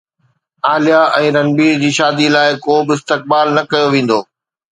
عاليا ۽ رنبير جي شادي لاءِ ڪو به استقبال نه ڪيو ويندو